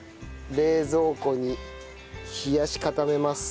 冷蔵庫に冷やし固めます。